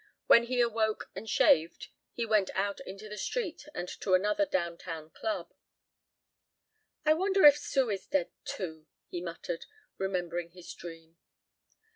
When he awoke and shaved he went out into the street and to another down town club. "I wonder if Sue is dead, too," he muttered, remembering his dream.